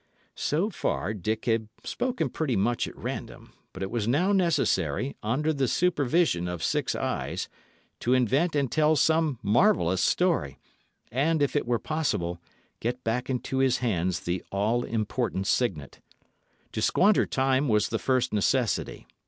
So far Dick had spoken pretty much at random; but it was now necessary, under the supervision of six eyes, to invent and tell some marvellous story, and, if it were possible, get back into his hands the all important signet. To squander time was the first necessity.